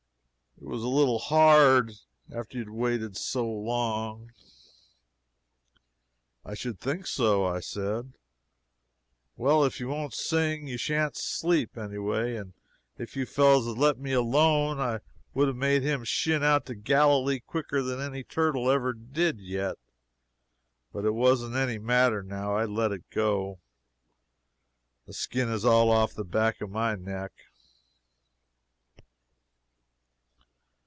"It was a little hard, after you had waited so long." "I should think so. I said, Well, if you won't sing, you shan't sleep, any way; and if you fellows had let me alone I would have made him shin out of Galilee quicker than any turtle ever did yet. But it isn't any matter now let it go. The skin is all off the back of my neck."